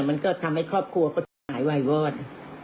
มันก็ทำให้ครอบครัวเขาเสียหายไววอด